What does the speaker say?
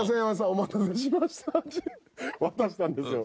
お待たせしましたって渡したんですよ。